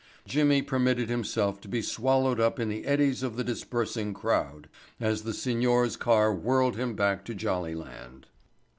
Jimmy permitted himself to be swallowed up in the eddies of the dispersing crowd, as the signor's car whirled him back to Jollyland.